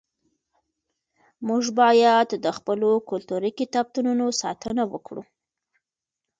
موږ باید د خپلو کلتوري کتابتونونو ساتنه وکړو.